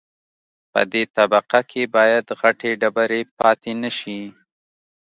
په دې طبقه کې باید غټې ډبرې پاتې نشي